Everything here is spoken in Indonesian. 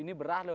ini beras loh